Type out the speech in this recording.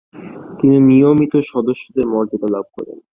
তিনি নিয়মিত সদস্যের মর্যাদা লাভ করেন।